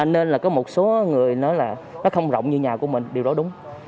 nên là có một số người nói là nó không rộng như nhà của mình điều đó đúng